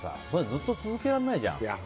ずっと続けられないじゃん。